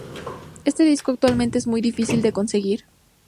Este disco actualmente es muy difícil de conseguir.